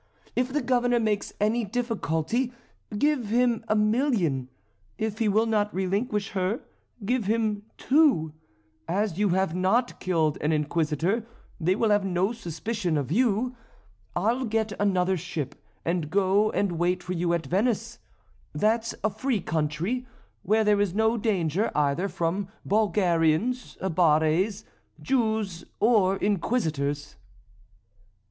If the Governor makes any difficulty, give him a million; if he will not relinquish her, give him two; as you have not killed an Inquisitor, they will have no suspicion of you; I'll get another ship, and go and wait for you at Venice; that's a free country, where there is no danger either from Bulgarians, Abares, Jews, or Inquisitors."